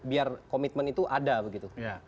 biar komitmen itu ada begitu